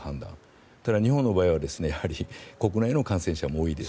ただ、日本の場合は国内の感染者も多いです。